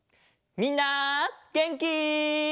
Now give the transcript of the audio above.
みんなげんき？